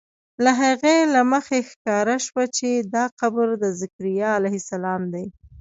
له هغې له مخې ښکاره شوه چې دا قبر د ذکریا علیه السلام دی.